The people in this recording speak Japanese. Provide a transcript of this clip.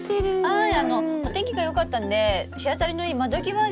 はい。